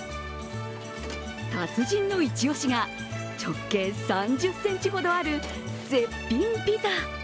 達人の一押しが、直径３０センチほどある絶品ピザ。